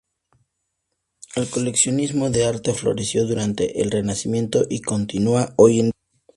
El coleccionismo de arte floreció durante el Renacimiento y continúa hoy en día.